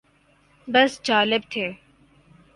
بس جالب تھے